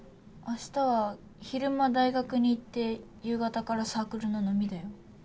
明日は昼間大学に行って夕方からサークルの飲みだよ。